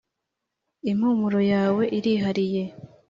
impumuro yawe irihariye